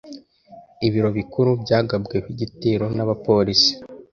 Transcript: Ibiro bikuru byagabweho igitero n’abapolisi.